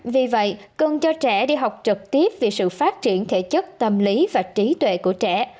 vì vậy cần cho trẻ đi học trực tiếp vì sự phát triển thể chất tâm lý và trí tuệ của trẻ